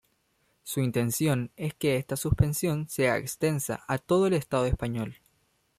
Su intención es que esta suspensión se haga extensa a todo el estado español.